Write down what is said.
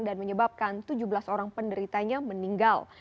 menyebabkan tujuh belas orang penderitanya meninggal